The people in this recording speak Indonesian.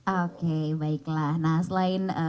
oke baiklah nah selain